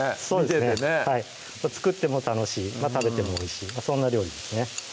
見ててねはい作っても楽しい食べてもおいしいそんな料理ですね